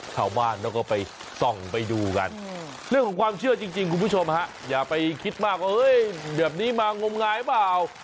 ชาวบ้านเขาก็ไปส่องไปดูกันเรื่องของความเชื่อจริงคุณผู้ชมฮะอย่าไปคิดมากว่าแบบนี้มางมงายเปล่า